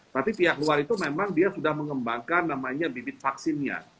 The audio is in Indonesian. tapi pihak luar itu memang dia sudah mengembangkan namanya bibit vaksinnya